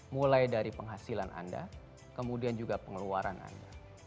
mulai dari penghasilan anda kemudian juga pengeluaran anda